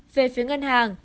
về phía ngân hàng